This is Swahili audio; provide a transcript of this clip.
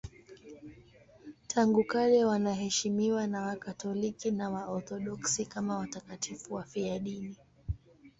Tangu kale wanaheshimiwa na Wakatoliki na Waorthodoksi kama watakatifu wafiadini.